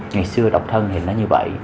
ngày xưa độc thân thì nó như vậy